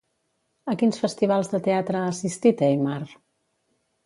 A quins festivals de teatre ha assistit Aymar?